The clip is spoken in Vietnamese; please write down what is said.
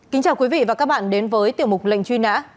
kính chào quý vị và các bạn đến với tiểu mục lệnh truy nã